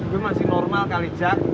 gue masih normal kali jack